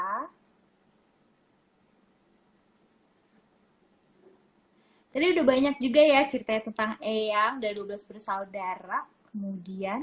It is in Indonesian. hai dari udah banyak juga ya cerita tentang eyang dari dua belas bersaudara kemudian